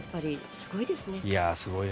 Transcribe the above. すごいですね。